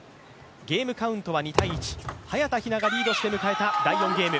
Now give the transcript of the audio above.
ゲームカウントは２−１、早田ひながリードして迎えた第４ゲーム。